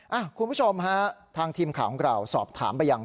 เอ้าคุณผู้ชมครับทางทีมข่าวของเราสอบถามไปอย่าง